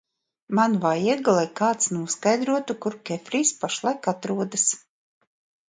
Man vajag, lai kāds noskaidrotu, kur Kefrijs pašlaik atrodas!